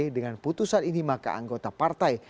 dengan putusan ini maka anggota partai